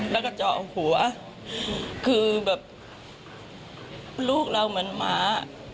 แล้วก็เจาะหัวคือแบบลูกเราเหมือนหมา